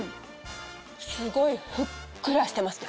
すごいふっくらしてますね。